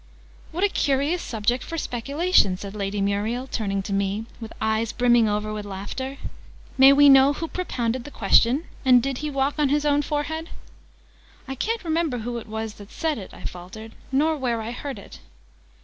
"What a curious subject for speculation!" said Lady Muriel, turning to me, with eyes brimming over with laughter. "May we know who propounded the question? And did he walk on his own forehead?" "I ca'n't remember who it was that said it!" I faltered. "Nor where I heard it!"